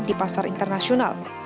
di pasar internasional